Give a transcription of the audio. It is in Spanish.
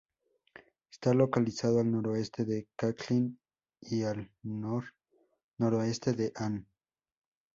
Está localizado al noreste de Kathleen y al nor noroeste de Ann.